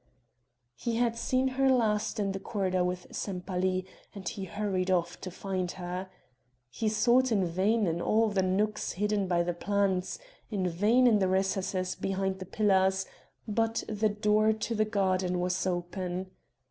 He had seen her last in the corridor with Sempaly, and he hurried off to find her. He sought in vain in all the nooks hidden by the plants; in vain in the recesses behind the pillars but the door to the garden was open.